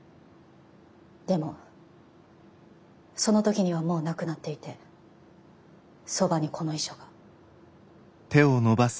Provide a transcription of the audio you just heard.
でもその時にはもう亡くなっていてそばにこの遺書が。